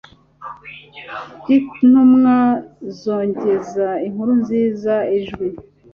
by'intumwa zogeza inkuru nziza, ijwi